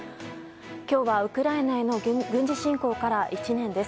今日はウクライナへの軍事侵攻から１年です。